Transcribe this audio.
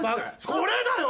これだよ！